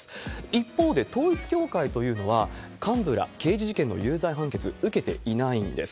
一方で統一教会というのは、幹部ら、刑事事件の有罪判決受けていないんです。